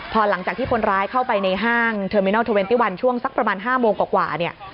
พอหลังจากที่คนร้ายเข้าไปในห้างเทอร์มินัล๒๑ช่วงสักประมาณ๕โมงกว่า